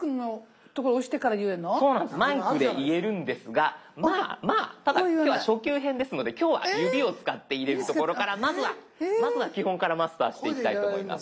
マイクで言えるんですがまあただ今日は初級編ですので今日は指を使って入れるところからまずは基本からマスターしていきたいと思います。